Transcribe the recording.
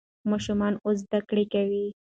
ماشومان اوس زده کړه کوي.